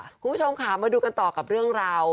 คุณผู้ชมค่ะมาดูกันต่อกับเรื่องราว